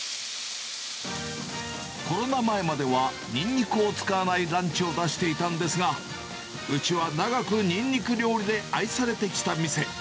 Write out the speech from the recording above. コロナ前までは、ニンニクを使わないランチを出していたんですが、うちは長くニンニク料理で愛されてきた店。